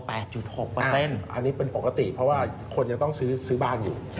อันนี้เป็นปกติเพราะว่าคนยังต้องซื้อบ้านอยู่